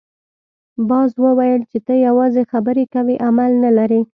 باز وویل چې ته یوازې خبرې کوې عمل نه لرې.